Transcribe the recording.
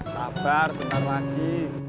sabar bentar lagi